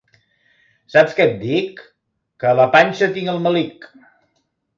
Saps que et dic? —Que a la panxa tinc el melic!